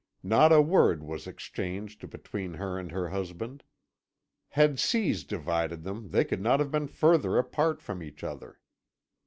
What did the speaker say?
Not a word was exchanged between her and her husband; had seas divided them they could not have been further apart from each other.